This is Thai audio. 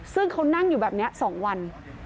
ซึ่งเขานั่งอยู่แบบนี้๒วัน